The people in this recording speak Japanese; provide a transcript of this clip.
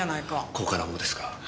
高価なものですか？